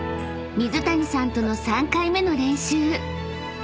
［水谷さんとの３回目の練習］